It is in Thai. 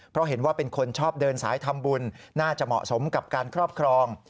เพราะเห็นว่าเป็นคนชอบเดินสายทำบุญน่าจะเหมาะสมกับการครอบครอง